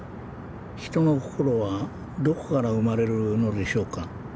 人の心はどこから生まれるのでしょうか。